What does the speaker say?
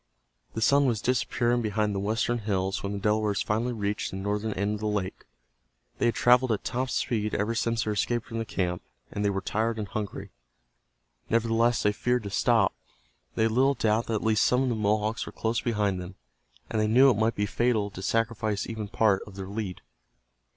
The sun was disappearing behind the western hills when the Delawares finally reached the northern end of the lake. They had traveled at top speed ever since their escape from the camp, and they were tired and hungry. Nevertheless they feared to stop. They had little doubt that at least some of the Mohawks were close behind them, and they knew it might be fatal to sacrifice even part of their lead.